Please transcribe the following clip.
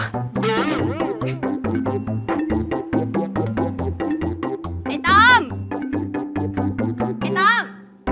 ไอ้ตอมไอ้ตอมตอม